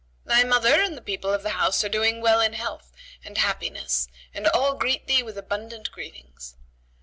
Thy mother and the people of the house are doing well in health and happiness and all greet thee with abundant greetings.